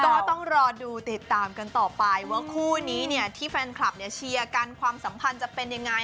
ก็ต้องรอดูติดตามกันต่อไปว่าคู่นี้เนี่ยที่แฟนคลับเนี่ยเชียร์กันความสัมพันธ์จะเป็นยังไง